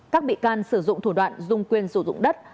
các bị can sử dụng thủ đoạn dùng quyền sử dụng đất